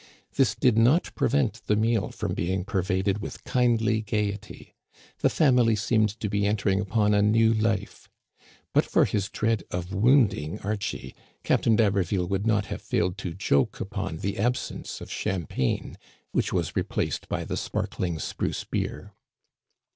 This did not prevent the meal from being pervaded with kindly gayety ; the family seemed to be entering upon a new life. But for his dread of wounding Archie, Cap tain d'Haberville would not have failed to joke upon Digitized by VjOOQIC LOCHIEL AND BLANCHE. 239 the absence of champagne, which was replaced by the sparkling spruce beer.